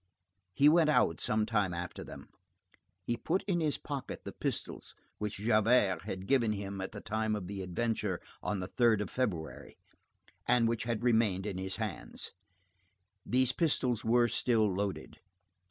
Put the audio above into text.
He went out some time after them. He put in his pocket the pistols which Javert had given him at the time of the adventure on the 3d of February, and which had remained in his hands. These pistols were still loaded.